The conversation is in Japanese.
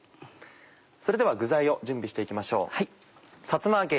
それでは具材を準備して行きましょう。